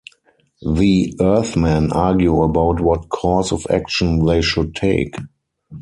The Earthmen argue about what course of action they should take.